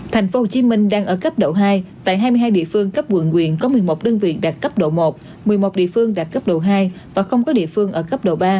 tp hcm đang ở cấp độ hai tại hai mươi hai địa phương cấp quận quyện có một mươi một đơn vị đạt cấp độ một một mươi một địa phương đạt cấp độ hai và không có địa phương ở cấp độ ba